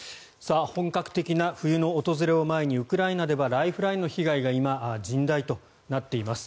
本格的な冬の訪れを前にウクライナではライフラインの被害が今、甚大となっています。